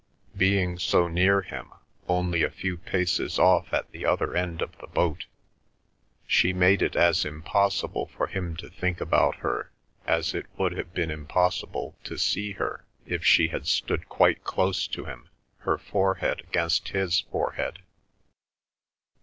Being so near him, only a few paces off at the other end of the boat, she made it as impossible for him to think about her as it would have been impossible to see her if she had stood quite close to him, her forehead against his forehead.